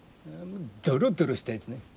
ドロドロしたやつね。